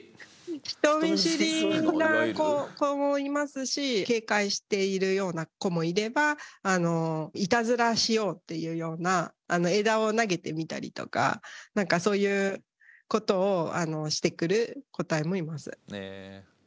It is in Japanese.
人見知りな子もいますし警戒しているような子もいればいたずらしようっていうような枝を投げてみたりとか何かそういうことをしてくる個体もいます。